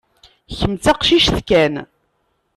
Kemm d taqcict kan.